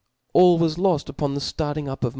All was loft upon the ftarting up of Vol.